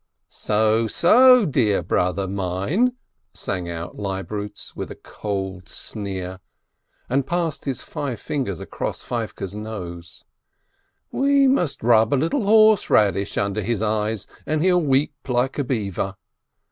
"So, so, dear brother mine !" sang out Leibnitz, with a cold sneer, and passed his five fingers across Feivke's nose. "We must rub a little horseradish under his eyes, and he'll weep like a beaver.